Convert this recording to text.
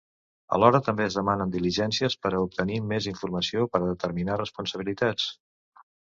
Alhora també es demanen diligències per a obtenir més informació per a determinar responsabilitats.